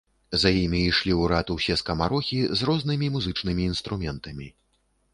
За ім ішлі ў рад усе скамарохі з рознымі музычнымі інструментамі.